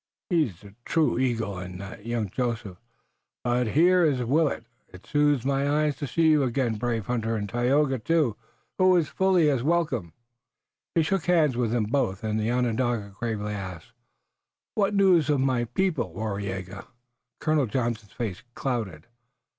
'Tis a true eagle that young Joseph. But here is Willet! It soothes my eyes to see you again, brave hunter, and Tayoga, too, who is fully as welcome." He shook hands with them both and the Onondaga gravely asked: "What news of my people, Waraiyageh?" Colonel Johnson's face clouded.